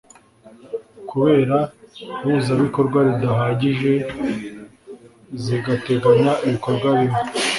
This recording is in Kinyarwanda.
kubera ihuzabikorwa ridahagije zigateganya ibikorwa bimwe.